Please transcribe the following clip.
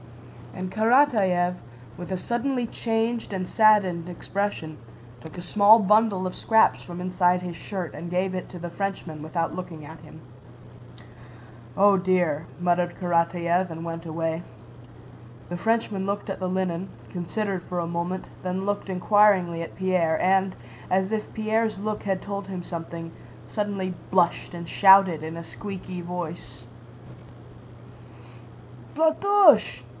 And Karatáev, with a suddenly changed and saddened expression, took a small bundle of scraps from inside his shirt and gave it to the Frenchman without looking at him. "Oh dear!" muttered Karatáev and went away. The Frenchman looked at the linen, considered for a moment, then looked inquiringly at Pierre and, as if Pierre's look had told him something, suddenly blushed and shouted in a squeaky voice: "Platoche!